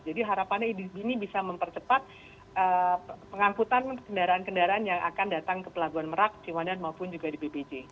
jadi harapannya ini bisa mempercepat pengangkutan kendaraan kendaraan yang akan datang ke pelabuhan merak ciwandan maupun juga di bpj